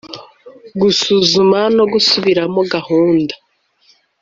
Gusuzuma no gusubiramo gahunda